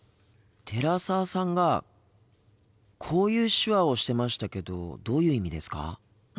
寺澤さんがこういう手話をしてましたけどどういう意味ですか？